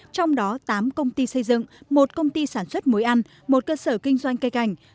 trong đó tám công ty xây dựng một công ty sản xuất muối ăn một cơ sở kinh doanh cây cảnh